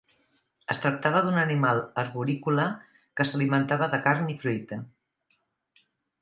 Es tractava d'un animal arborícola que s'alimentava de carn i fruita.